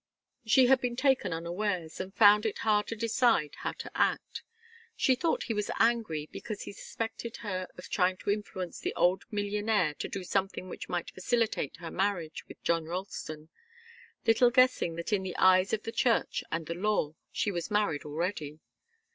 She had been taken unawares, and found it hard to decide how to act. She thought he was angry because he suspected her of trying to influence the old millionaire to do something which might facilitate her marriage with John Ralston, little guessing that in the eyes of the church and the law she was married already.